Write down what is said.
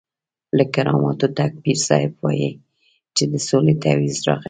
له کراماتو ډک پیر صاحب وایي چې د سولې تعویض راغلی.